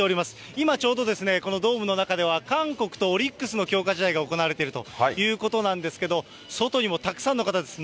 今、ちょうどですね、このドームの中では、韓国とオリックスの強化試合が行われているということなんですけど、外にもたくさんの方です。